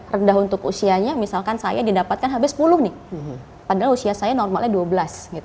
rendah untuk usianya misalkan saya didapatkan hb sepuluh nih padahal usia saya normalnya dua belas